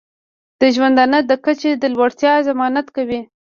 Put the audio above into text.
د ژوندانه د کچې د لوړتیا ضمانت کوي.